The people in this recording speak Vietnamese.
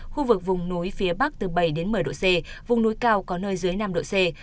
khu vực vùng núi phía bắc từ bảy đến một mươi độ c vùng núi cao có nơi dưới năm độ c